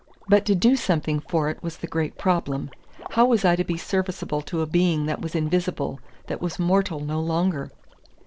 But to do something for it was the great problem; how was I to be serviceable to a being that was invisible, that was mortal no longer?